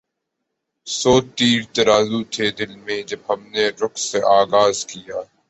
سو تیر ترازو تھے دل میں جب ہم نے رقص آغاز کیا